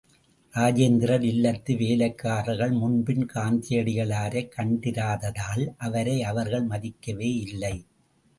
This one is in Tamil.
ராஜேந்திரர் இல்லத்து வேலைக்காரர்கள் முன்பின் காந்தியடிகளாரைக் கண்டிராததால், அவரை அவர்கள் மதிக்கவே இல்லை.